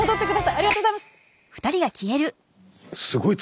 ありがとうございます。